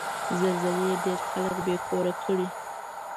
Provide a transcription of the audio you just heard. زلزلې ډېر خلک بې کوره کړي.